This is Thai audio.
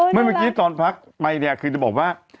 มันเมื่อกี้ตอนพักไปคือจะบอกว่า